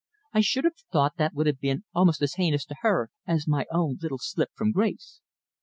I should have thought that would have been almost as heinous to her as my own little slip from grace."